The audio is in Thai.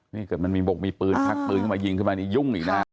นี่เกิดมันมีบุกมีปืนพักปืนมายิงขึ้นมายุ่งอีกหน้า